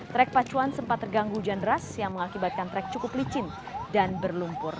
trek pacuan sempat terganggu hujan deras yang mengakibatkan trek cukup licin dan berlumpur